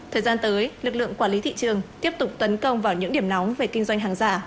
thời gian tới lực lượng quản lý thị trường tiếp tục tấn công vào những điểm nóng về kinh doanh hàng giả